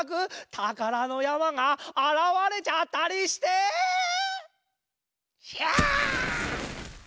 たからのやまがあらわれちゃったりして⁉ひゃあ！